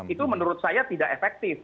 itu menurut saya tidak efektif